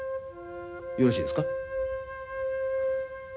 よろしいですか？